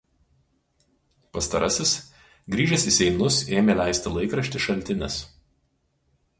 Pastarasis grįžęs į Seinus ėmė leisti laikraštį Šaltinis.